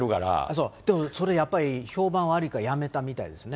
そう、でもそれ、やっぱり評判悪いから、やめたみたいですね。